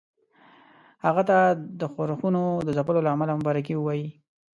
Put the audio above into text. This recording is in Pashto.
هغه ته د ښورښونو د ځپلو له امله مبارکي ووايي.